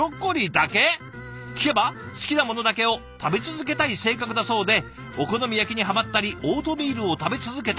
聞けば好きなものだけを食べ続けたい性格だそうでお好み焼きにハマったりオートミールを食べ続けたり。